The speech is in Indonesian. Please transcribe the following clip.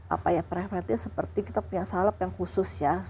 apa ya preventifnya seperti kita punya salep yang khusus ya